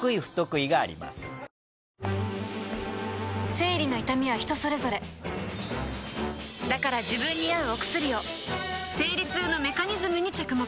生理の痛みは人それぞれだから自分に合うお薬を生理痛のメカニズムに着目